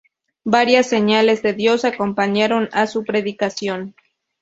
Varias señales de Dios acompañaron a su predicación.